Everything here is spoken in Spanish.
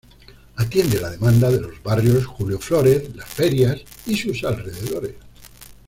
Atiende la demanda de los barrios Julio Flórez, Las Ferias y sus alrededores.